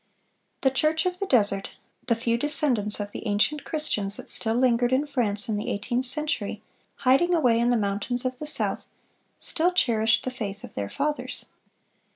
The "Church in the Desert," the few descendants of the ancient Christians that still lingered in France in the eighteenth century, hiding away in the mountains of the south, still cherished the faith of their fathers.